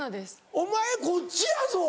お前こっちやぞ。